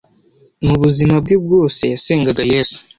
Mu buzima bwe bwose yasengaga Yesu